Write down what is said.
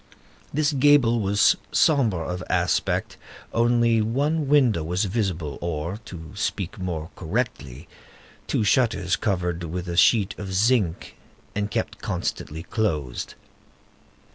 This gable was sombre of aspect; only one window was visible, or, to speak more correctly, two shutters covered with a sheet of zinc and kept constantly closed.